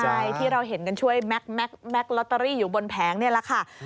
ใช่ที่เราเห็นกันช่วยแม็กซ์ลอตเตอรี่อยู่บนแผงนี่แหละค่ะ